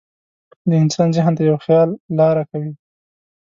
د انسان ذهن ته یو خیال لاره کوي.